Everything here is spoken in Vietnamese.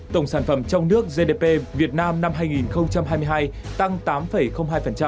tổng sản phẩm trong nước gdp việt nam năm hai nghìn hai mươi hai tăng tám hai